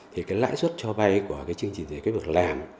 thì cái lãi suất cho vay của cái chương trình giải quyết việc làm